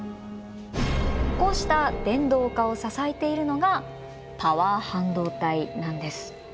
こうした電動化を支えているのがパワー半導体なんです。